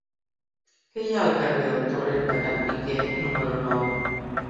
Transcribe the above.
Què hi ha al carrer del Torrent de Can Piquer número nou?